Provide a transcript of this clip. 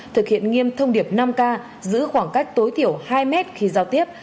thực hiện nghiêm thông điệp năm k giữ khoảng cách tối thiểu hai mét khi giao tiếp